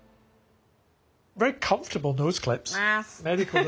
はい。